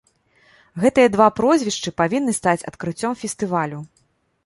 Гэтыя два прозвішчы павінны стаць адкрыццём фестывалю.